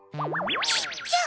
ちっちゃ！